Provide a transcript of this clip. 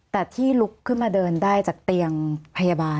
แต่ที่ลุกขึ้นมาเดินได้จากเตียงพยาบาล